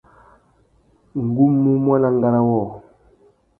Ngu mú muaná ngárá wôō.